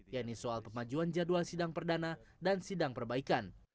yaitu soal pemajuan jadwal sidang perdana dan sidang perbaikan